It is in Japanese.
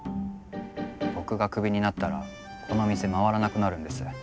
僕がクビになったらこの店回らなくなるんです。